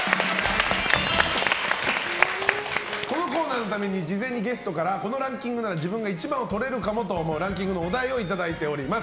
このコーナーのために事前にゲストからこのランキングなら自分が１番をとれるかもと思うランキングのお題をいただいております。